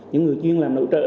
những người chuyên làm nội trợ